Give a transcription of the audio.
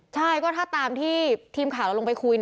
ใช่ก็ถ้าตามที่ทีมข่าวเราลงไปคุย